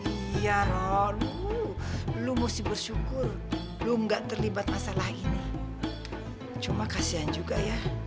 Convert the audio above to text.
iya loh lu mesti bersyukur lu enggak terlibat masalah ini cuma kasian juga ya